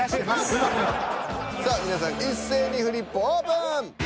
さあ皆さん一斉にフリップオープン！